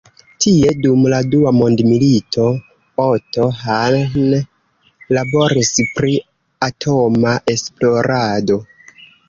Tie dum la dua mondmilito, Otto Hahn laboris pri atoma esplorado.